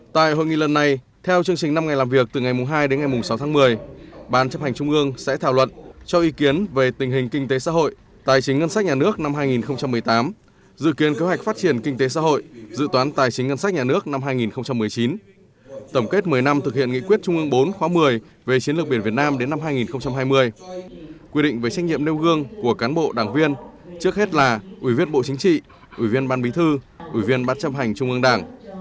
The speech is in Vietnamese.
tại hội nghị lần này theo chương trình năm ngày làm việc từ ngày mùng hai đến ngày mùng sáu tháng một mươi ban chấp hành trung ương sẽ thảo luận cho ý kiến về tình hình kinh tế xã hội tài chính ngân sách nhà nước năm hai nghìn một mươi tám dự kiến kế hoạch phát triển kinh tế xã hội dự toán tài chính ngân sách nhà nước năm hai nghìn một mươi chín tổng kết một mươi năm thực hiện nghị quyết trung ương bốn khóa một mươi về chiến lược biển việt nam đến năm hai nghìn hai mươi quy định về trách nhiệm nêu gương của cán bộ đảng viên trước hết là ủy viên bộ chính trị ủy viên ban bí thư ủy viên ban chấp hành trung ương đảng